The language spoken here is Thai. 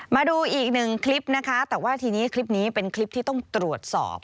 มาดูอีกหนึ่งคลิปนะคะแต่ว่าทีนี้คลิปนี้เป็นคลิปที่ต้องตรวจสอบ